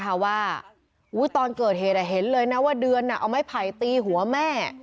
เพราะว่าตอนเกิดเหตุเห็นเลยนะว่าเดือนเอาไม้ไผ่ตีหัวแม่